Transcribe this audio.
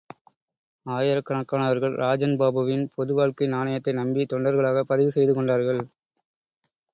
ஆயிரக்கணக்கானவர்கள் ராஜன் பாபுவின் பொது வாழ்க்கை நாணயத்தை நம்பி தொண்டர்களாகப் பதிவு செய்து கொண்டார்கள்.